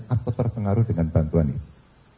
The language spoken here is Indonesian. atau terpengaruh dengan bantuan ini